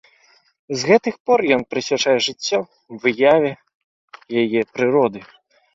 З гэтых пор ён прысвячае жыццё выяве яе прыроды.